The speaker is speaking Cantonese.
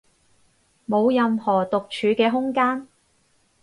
冇任何獨處嘅空間